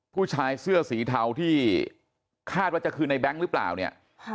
ผู้ชายเสื้อสีเทาที่คาดว่าจะคือในแบงค์หรือเปล่าเนี่ย